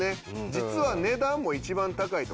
実は値段も一番高いと。